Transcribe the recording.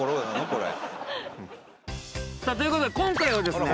これさあということで今回はですね